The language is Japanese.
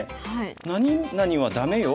何々はダメよ。